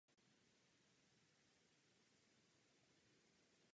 Také ovšem upozorňuje, že jiní disidenti jsou stále za mřížemi.